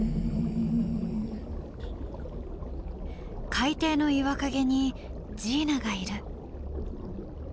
海底の岩陰にジーナがいる。